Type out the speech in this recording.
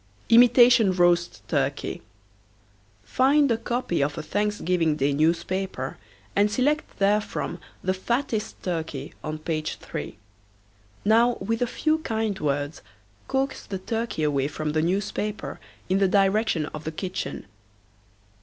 IMITATION ROAST TURKEY. Find a copy of a Thanksgiving Day newspaper and select therefrom the fattest turkey on page 3. Now with a few kind words coax the turkey away from the newspaper in the direction of the kitchen.